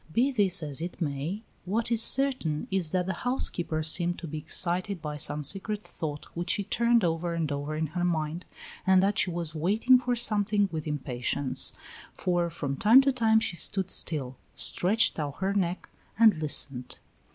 Be this as it may, what is certain is that the housekeeper seemed to be excited by some secret thought which she turned over and over in her mind, and that she was waiting for something with impatience, for from time to time she stood still, stretched out her neck, and listened.